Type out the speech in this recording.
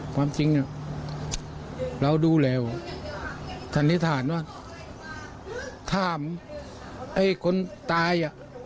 ความจริงเราดูแล้วสันนิษฐานว่าถามไอ้คนตาย